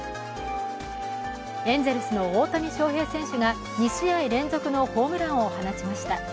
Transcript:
エンゼルスの大谷翔平選手が２試合連続のホームランを放ちました。